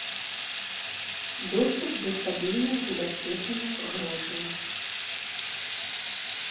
Доступ да стабільных, забяспечаных грошай.